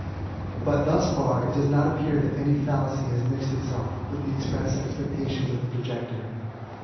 But^ thus far^ it does not appear that any fallacy has mixed itself with the express expectations of the projector.